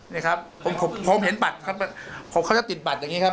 นี่ครับผมผมเห็นบัตรครับเขาจะติดบัตรอย่างนี้ครับ